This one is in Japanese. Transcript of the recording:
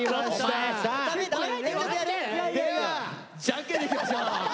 お前さ！ではじゃんけんでいきましょう！